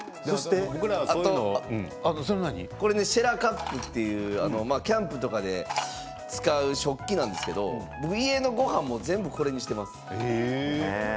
これシェラカップといってキャンプとかで使う食器なんですけれども家のごはんも全部これにしています。